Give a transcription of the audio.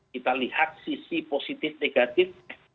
kita lihat sisi positif negatif